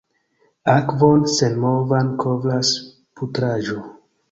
Akvon senmovan kovras putraĵo.